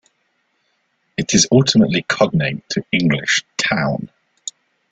It is ultimately cognate to English "town".